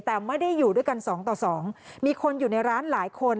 แต่ไม่ได้อยู่ด้วยกันสองต่อสองมีคนอยู่ในร้านหลายคน